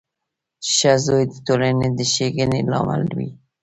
• ښه زوی د ټولنې د ښېګڼې لامل وي.